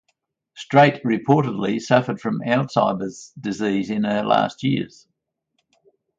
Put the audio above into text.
Straight reportedly suffered from Alzheimer's disease in her last years.